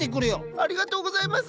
ありがとうございます！